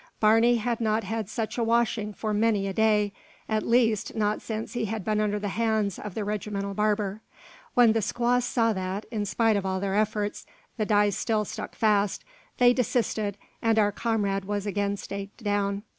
Barney had not had such a washing for many a day; at least, not since he had been under the hands of the regimental barber. When the squaws saw that, in spite of all their efforts, the dye still stuck fast, they desisted, and our comrade was again staked down.